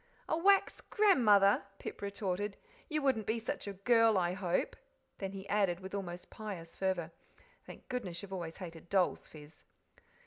"A wax grandmother!" Pip retorted; "you wouldn't be such a girl, I hope." Then he added, with almost pious fervour, "Thank goodness you've always hated dolls, Fizz."